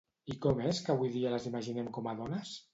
I com és que avui dia les imaginem com a dones?